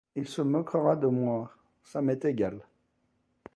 Il se moquera de moi... Ça m'est égal...